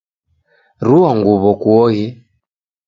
Rua nguw'o kuoghe.